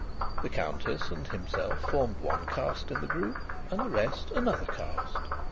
The Countess and himself formed one caste in the group, and the rest another caste.